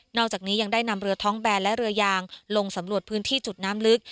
อกจากนี้ยังได้นำเรือท้องแบนและเรือยางลงสำรวจพื้นที่จุดน้ำลึก